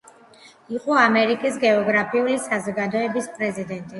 იყო ამერიკის გეოგრაფიული საზოგადოების პრეზიდენტი.